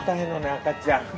赤ちゃん。